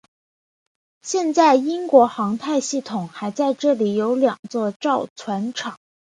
现在英国航太系统还在这里有两座造船厂。